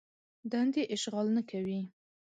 دندې اشغال نه کوي.